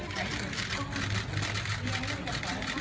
แข่ง